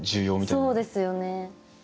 そうですよね。